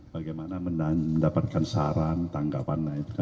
bagaimana mendapatkan saran tanggapan itu kan baiknya